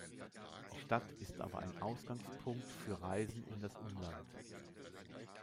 Die Stadt ist aber ein Ausgangspunkt für Reisen in das Umland.